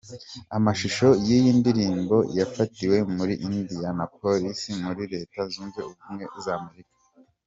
Amashusho y'iyi ndirimbo yafatiwe muri Indianapolis muri Leta Zunze Ubumwe za Amerika.